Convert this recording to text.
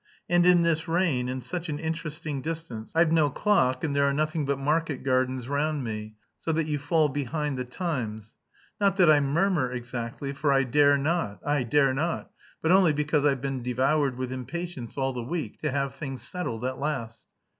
"And in this rain; and such an interesting distance. I've no clock... and there are nothing but market gardens round me... so that you fall behind the times. Not that I murmur exactly; for I dare not, I dare not, but only because I've been devoured with impatience all the week... to have things settled at last."